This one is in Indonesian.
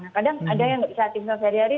nah kadang ada yang nggak bisa aktivitas sehari hari